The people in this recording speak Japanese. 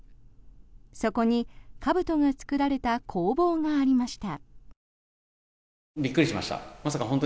そこにかぶとが作られた工房がありました。